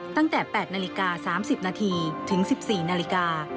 ตั้งแต่๘นาฬิกา๓๐นาทีถึง๑๔นาฬิกา